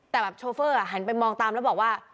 แต่แบบโชเฟอร์หันไปมองตามแล้วบอกว่า